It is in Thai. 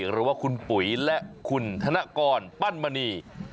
หรือว่าคุณปุ๋ยและคุณธนกรปั้นมณี